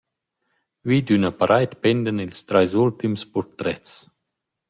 Vi d’üna paraid pendan ils trais ultims purtrets.